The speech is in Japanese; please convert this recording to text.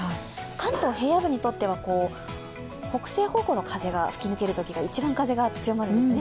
関東平野部にとっては、北西方向の風が吹き抜けるときが一番風が強いんですね。